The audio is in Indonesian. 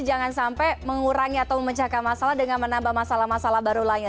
jangan sampai mengurangi atau memecahkan masalah dengan menambah masalah masalah baru lainnya